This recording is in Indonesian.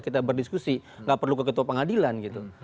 kita berdiskusi nggak perlu ke ketua pengadilan gitu